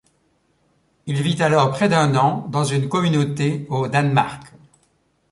Il vit alors près d'un an dans une communauté au Danemark.